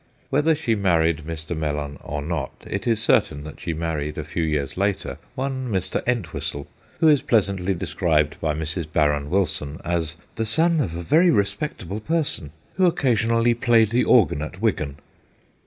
Whether she married Mr. Mellon or not, it is certain that she married, a few years later, one Mr. Entwistle, who is pleasantly described by Mrs. Barron Wilson as 'the son of a very respectable person, who occasionally played the organ at Wigan.'